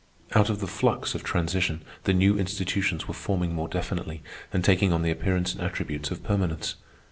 Out of the flux of transition the new institutions were forming more definitely and taking on the appearance and attributes of permanence.